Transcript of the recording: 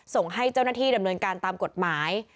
ส่งให้เจ้าหน้าที่ดำเนินการตามกฎหมาย